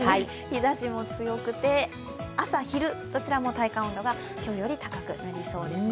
日ざしも強くて、朝・昼、どちらも体感温度が今日より高くなりそうです。